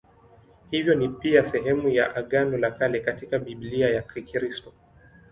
Hivyo ni pia sehemu ya Agano la Kale katika Biblia ya Kikristo.